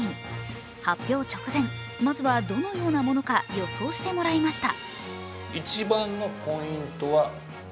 発表直前、まずはどのようなものか予想してもらいました。